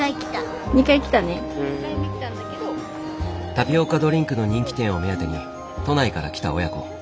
タピオカドリンクの人気店を目当てに都内から来た親子。